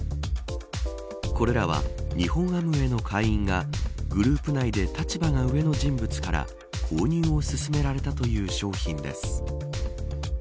これらは日本アムウェイの会員がグループ内で立場が上の人物から購入を勧められたという商品です。